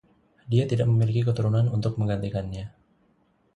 Dia tidak memiliki keturunan untuk menggantikannya.